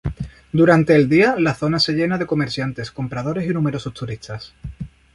Durante el día, la zona se llena de comerciantes, compradores y numerosos turistas.